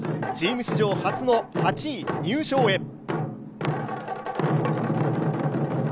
チーム史上初の８位入賞へ。